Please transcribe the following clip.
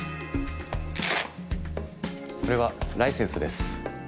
これはライセンスです。